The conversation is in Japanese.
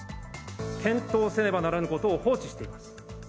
検討せねばならぬことを放置しています。